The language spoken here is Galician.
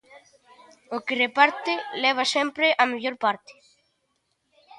O que reparte leva sempre a mellor parte.